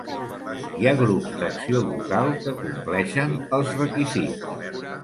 Hi ha grups d'acció local que compleixen els requisits.